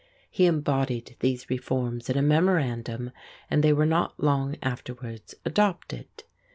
He embodied these reforms in a memorandum and they were not long afterwards adopted.